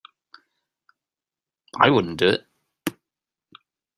I wouldn't do it.